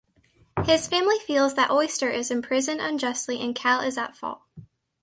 His family feels that Oyster is imprisoned unjustly and Cal is at fault.